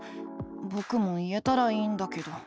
ぼくも言えたらいいんだけど。